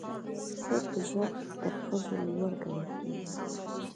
سړي په ځواک کې تر ښځو لوړ ګڼل کیږي